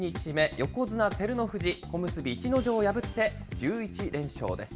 横綱・照ノ富士、小結・逸ノ城を破って１１連勝です。